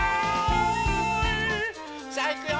さあいくよ！